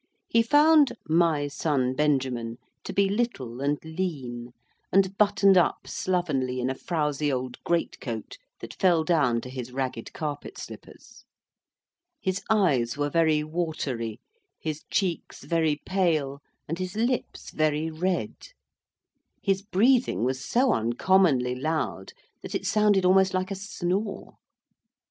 He found "My son Benjamin" to be little and lean, and buttoned up slovenly in a frowsy old great coat that fell down to his ragged carpet slippers. His eyes were very watery, his cheeks very pale, and his lips very red. His breathing was so uncommonly loud, that it sounded almost like a snore.